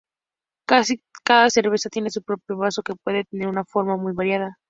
Casi cada cerveza tiene su propio vaso, que puede tener una forma muy variada.